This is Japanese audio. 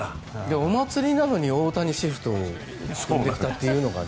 お祭りなのに大谷シフトを組んできたというのがね。